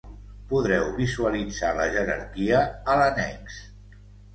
Podreu visualitzar la jerarquia a l'annex.